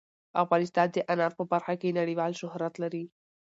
افغانستان د انار په برخه کې نړیوال شهرت لري.